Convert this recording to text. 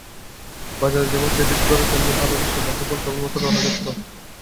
বাজারে যেমন ক্রেডিট ঘরে তেমনি ভালোবাসা, বাহুবল কেবলমাত্র রণক্ষেত্রে।